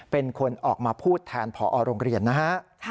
เป็นคนออกมาพูดแทนผอโรงเรียนนะฮะ